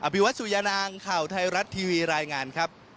วิวัตสุยานางข่าวไทยรัฐทีวีรายงานครับ